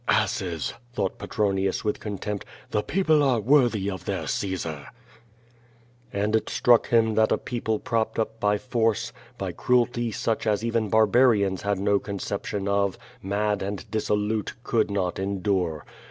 "Asses!" thought Petronius with contempt, "the people are worthy of their Caesar." And it struck him that a people propped up by force, by cruelty such as even barbarians had no conception of, mad and dissolute, could not endure.